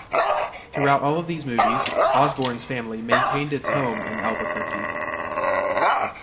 Throughout all of these moves, Osborn's family maintained its home in Albuquerque.